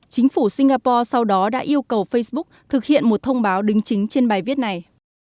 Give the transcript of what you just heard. chính phủ singapore sau đó đã yêu cầu facebook thực hiện một thông báo đính chính trên bài viết này